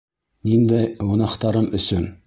Ниндәй гонаһтарым өсөн?